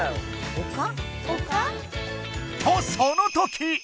とそのとき！